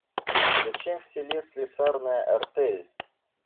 Зачем в селе слесарная артель?